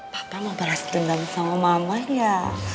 papa mau balas dendam sama mama ya